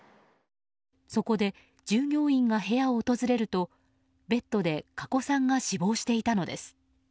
そこで、従業員が部屋を訪れるとベッドで加古さんが死亡していたのです。